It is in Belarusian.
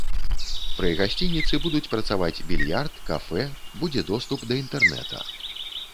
Пры гасцініцы будуць працаваць більярд, кафэ, будзе доступ да інтэрнэта.